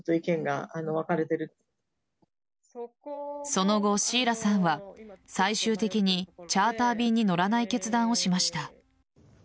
その後、シイラさんは最終的に、チャーター便に乗らない決断をしました。